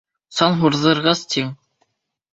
— Саң һурҙырғыс тиң!..